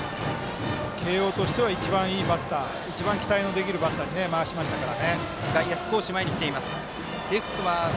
慶応としては一番いいバッター一番期待のできるバッターに回しましたから。